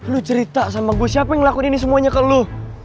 lu cerita sama gue siapa yang ngelakuin ini semuanya ke lu